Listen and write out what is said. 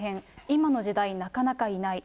今の時代なかなかいない。